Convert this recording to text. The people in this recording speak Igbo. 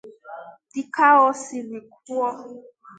Dịka o siri kwuo